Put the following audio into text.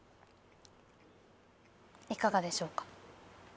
いかがでしょうか？